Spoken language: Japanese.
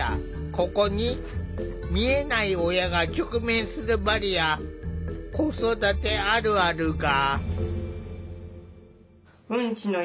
ここに見えない親が直面するバリア子育てあるあるが！